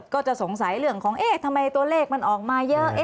ก็จะสงสัยเรื่องของเอ๊ะทำไมตัวเลขมันออกมาเยอะ